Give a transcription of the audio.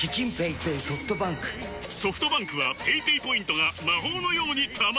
ソフトバンクはペイペイポイントが魔法のように貯まる！